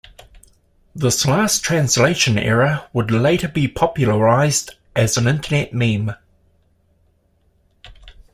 This last translation error would later be popularized as an internet meme.